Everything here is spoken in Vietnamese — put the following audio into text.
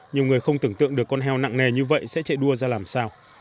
nhiều người không tưởng tượng được con heo nặng nề như vậy sẽ chạy đua ra làm sao